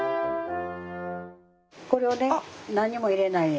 これをね何も入れないで。